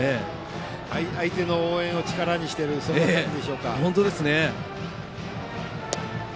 相手の応援を力にしているそんな感じでしょうか。